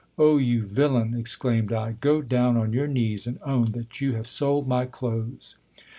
Oh ! you villain, exclaimed I, go down on your knees and own that you have sold my clothes.